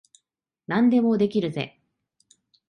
何でもできるぜ。